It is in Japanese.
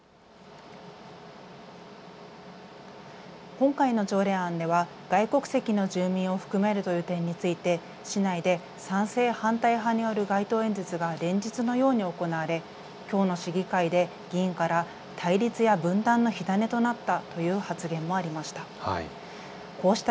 今回の条例案では外国籍の住民を含めるという点について市内で賛成・反対派による街頭演説が連日のように行われきょうの市議会で議員から対立や分断の火種となったという発言もありました。